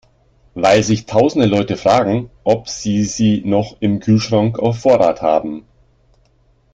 Weil sich tausende Leute fragen, ob sie sie noch im Kühlschrank auf Vorrat haben.